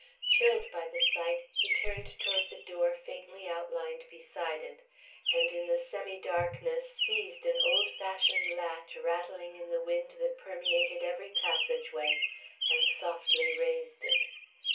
Chilled by the sight, he turned toward the door faintly outlined beside it, and in the semi darkness seized an old fashioned latch rattling in the wind that permeated every passageway, and softly raised it.